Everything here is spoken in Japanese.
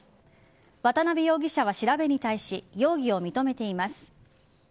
渡辺容疑者は調べに対し容疑を認めています。